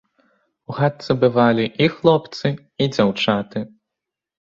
У хатцы бывалі і хлопцы і дзяўчаты.